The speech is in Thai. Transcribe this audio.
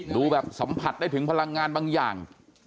ดูแบบสัมผัสได้ถึงพลังงานบางอย่าง